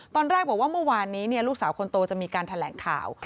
ตอนแรกบอกว่าเมื่อวานนี้ลูกสาวคนโตจะมีการแถลงข่าว